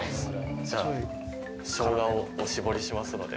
じゃあショウガをお搾りしますので。